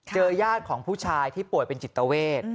ญาติของผู้ชายที่ป่วยเป็นจิตเวท